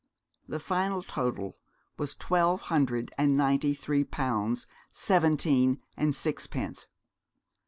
The final total was twelve hundred and ninety three pounds seventeen and sixpence!